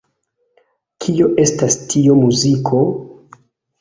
Kio estas tiu muziko?